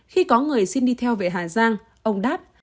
khi có người xin đi theo về hà giang ông đáp